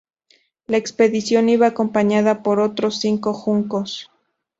La expedición iba acompañada por otros cinco juncos.